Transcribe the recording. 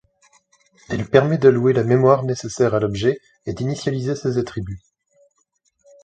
Elle permet d'allouer la mémoire nécessaire à l'objet et d'initialiser ses attributs.